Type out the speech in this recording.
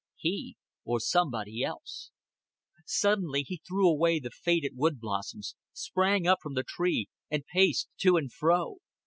He, or somebody else! Suddenly he threw away the faded wood blossoms, sprang up from the tree, and paced to and fro.